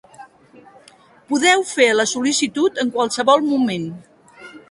Podeu fer la sol·licitud en qualsevol moment.